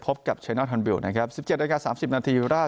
พบกับแชนัลทันบิลนะครับสิบเจ็ดนิดค่าสามสิบนาที